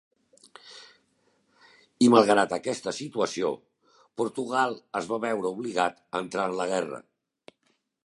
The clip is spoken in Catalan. I malgrat aquesta situació, Portugal es va veure obligat a entrar en la guerra.